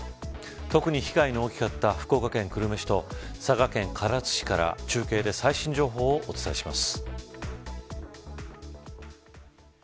特に被害の大きかった福岡県久留米市と佐賀県唐津市から中継で最新情報をお伝えします。